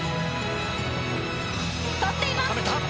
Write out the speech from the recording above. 取っています！